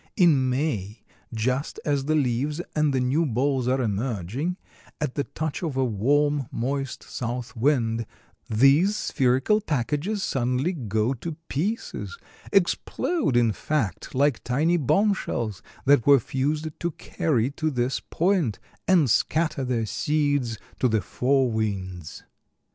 In May, just as the leaves and the new balls are emerging, at the touch of a warm, moist south wind, these spherical packages suddenly go to pieces—explode, in fact, like tiny bombshells that were fused to carry to this point—and scatter their seeds to the four winds.